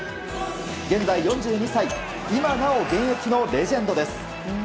現在４２歳今なお現役のレジェンドです。